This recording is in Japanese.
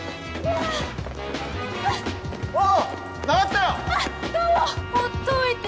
あっ！